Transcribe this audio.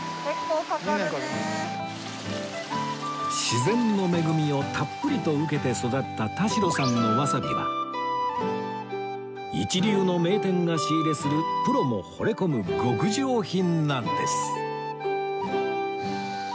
自然の恵みをたっぷりと受けて育った田代さんのわさびは一流の名店が仕入れするプロも惚れ込む極上品なんです